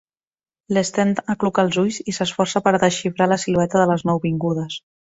L'Sten acluca els ulls i s'esforça per desxifrar la silueta de les nouvingudes.